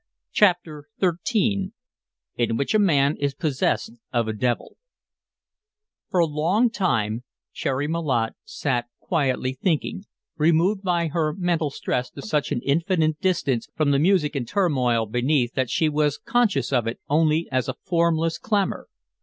CHAPTER XIII IN WHICH A MAN IS POSSESSED OF A DEVIL For a long time Cherry Malotte sat quietly thinking, removed by her mental stress to such an infinite distance from the music and turmoil beneath that she was conscious of it only as a formless clamor.